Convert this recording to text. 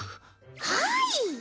はい！